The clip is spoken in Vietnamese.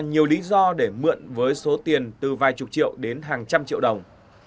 nhiều lý do để mượn với số tiền từ vài chục triệu đến hàng trăm triệu đồng